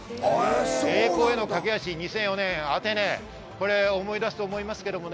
栄光へのかけ橋、２００４年アテネ思い出すと思いますけどね。